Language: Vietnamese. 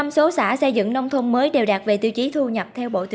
một trăm linh số xã xây dựng nông thôn mới đều đạt về tiêu chí thu nhập